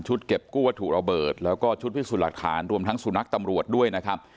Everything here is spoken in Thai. ชุดเก็บกู้วัตถุระเบิดแล้วก็ชุดพฤคษุนรักษารดรวมทั้งสุนนักตำรวจด้วยนะครับ